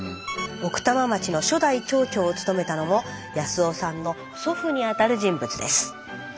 奥多摩町の初代町長を務めたのも康雄さんの祖父にあたる人物です。